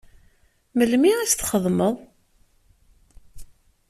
Melmi i t-txedmeḍ?